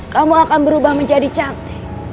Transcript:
kamu akan berubah menjadi cantik